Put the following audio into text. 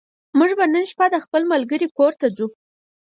موږ به نن شپه د خپل ملګرې کور ته ځو